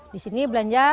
di sini belanja